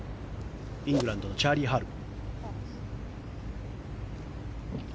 イングランドのチャーリー・ハル。